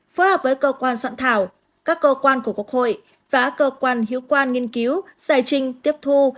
phối hợp với cơ quan soạn thảo các cơ quan của quốc hội và cơ quan hiếu quan nghiên cứu giải trình tiếp thu